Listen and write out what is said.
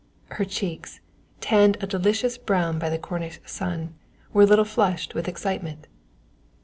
Her cheeks, tanned a delicious brown by the Cornish sun, were a little flushed with excitement.